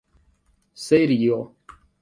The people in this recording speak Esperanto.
serio